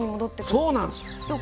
そうなんです！